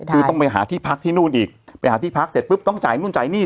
คือต้องไปหาที่พักที่นู่นอีกไปหาที่พักเสร็จปุ๊บต้องจ่ายนู่นจ่ายนี่